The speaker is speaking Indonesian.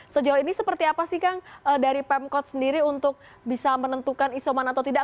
sejauh ini seperti apa sih kang dari pemkot sendiri untuk bisa menentukan isoman atau tidak